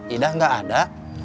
idah nggak ada